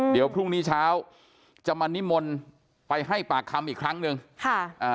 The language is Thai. เดี๋ยวพรุ่งนี้เช้าจะมานิมนต์ไปให้ปากคำอีกครั้งหนึ่งค่ะอ่า